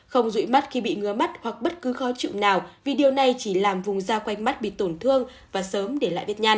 không rụi mắt khi bị ngứa mắt hoặc bất cứ khó chịu nào vì điều này chỉ làm vùng da quanh mắt bị tổn thương và sớm để lại vết nhăn